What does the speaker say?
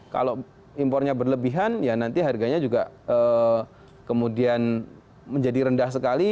kalau impornya berlebihan ya nanti harganya juga kemudian menjadi rendah sekali